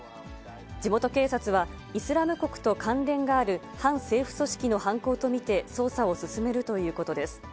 地元警察は、イスラム国と関連がある反政府組織の犯行と見て捜査を進めるということです。